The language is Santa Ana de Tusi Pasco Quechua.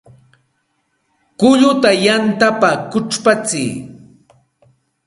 Kulluta yantapa kuchpatsiy